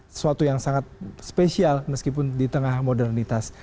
sesuatu yang sangat spesial meskipun di tengah modernitas